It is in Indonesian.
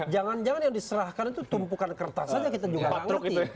jangan jangan yang diserahkan itu tumpukan kertas saja kita juga nangroti